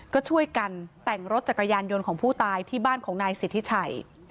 ก็ช่วยกันแต่งรถจักรยานยนต์ของผู้ตายที่บ้านของนายสิทธิชัย